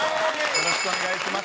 よろしくお願いします。